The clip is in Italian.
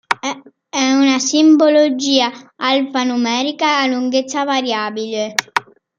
È una simbologia alfanumerica a lunghezza variabile.